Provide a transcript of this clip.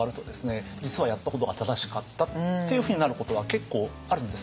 実はやったことが正しかったっていうふうになることは結構あるんですよ。